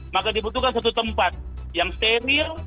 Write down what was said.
maka dibutuhkan satu tempat yang steril